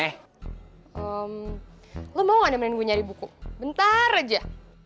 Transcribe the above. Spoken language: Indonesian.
eh lo mau nemenin gue nyari buku bentar aja